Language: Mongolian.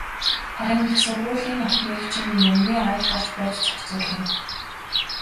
Харин их сургуулийн охиныг чинь юмны ая харж байж зохицуулъя.